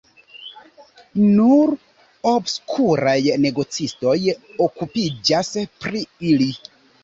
Nur obskuraj negocistoj okupiĝas pri ili.